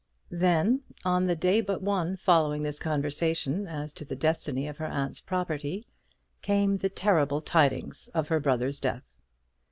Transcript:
Then, on the day but one following this conversation as to the destiny of her aunt's property, came the terrible tidings of her brother's death.